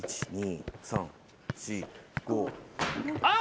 あっ！